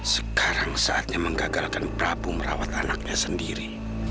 sekarang saatnya menggagalkan prabu merawat anaknya sendiri